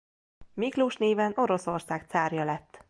Miklós néven Oroszország cárja lett.